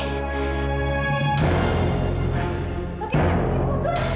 bagaimana sih kudu